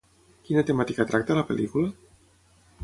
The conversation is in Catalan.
Quina temàtica tracta la pel·lícula?